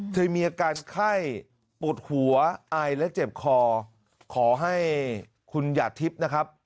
เธอมีอาการไข้ปวดหัวไอและเจ็บคอขอให้คุณหยาดทิพย์นะครับ